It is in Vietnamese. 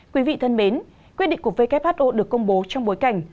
quý vị thân mến quyết định của who được công bố trong bối cảnh